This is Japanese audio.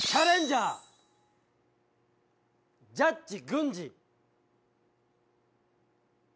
ジャッジ軍地。